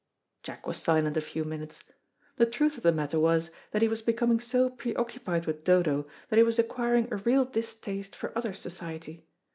Jack was silent a few minutes. The truth of the matter was that he was becoming so preoccupied with Dodo, that he was acquiring a real distaste for other society.